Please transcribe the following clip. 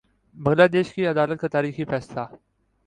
بنگلہ دیش کی عدالت کا تاریخی فیصلہ